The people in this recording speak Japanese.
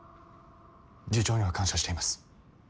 次長には感謝しています。